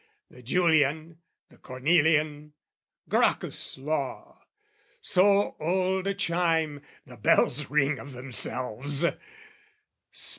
The Julian; the Cornelian; Gracchus' Law: So old a chime, the bells ring of themselves!